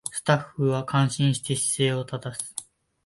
スタッフは感心して姿勢を正す